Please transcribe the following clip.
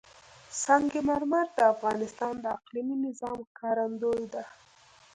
سنگ مرمر د افغانستان د اقلیمي نظام ښکارندوی ده.